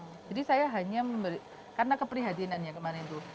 jadi saya hanya memberi karena keprihadinannya kemarin tuh